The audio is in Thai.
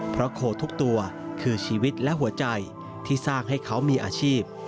เพราะโคทุกตัวคือชีวิตและหัวใจที่สร้างให้เขามีอาชีพ